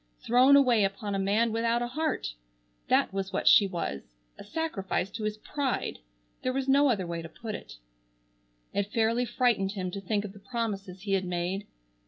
Thrown away upon a man without a heart! That was what she was! A sacrifice to his pride! There was no other way to put it. It fairly frightened him to think of the promises he had made.